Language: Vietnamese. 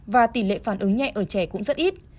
và tỷ lệ phản ứng nhẹ ở trẻ cũng rất ít